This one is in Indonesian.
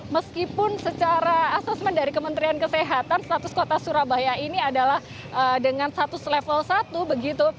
meskipun secara asesmen dari kementerian kesehatan status kota surabaya ini adalah dengan status level satu begitu